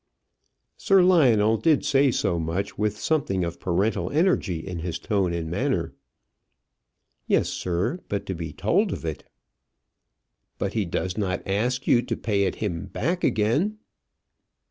Sir Lionel did say so much with something of parental energy in his tone and manner. "Yes, sir; but to be told of it!" "But he does not ask you to pay it him back again?"